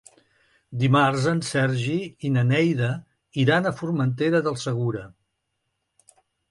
Dimarts en Sergi i na Neida iran a Formentera del Segura.